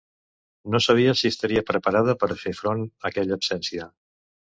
No sabia si estaria preparada per a fer front a aquella absència.